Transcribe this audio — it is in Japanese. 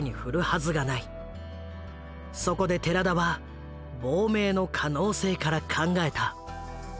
そこで寺田は亡命の可能性から考えた。